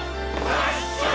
わっしょい！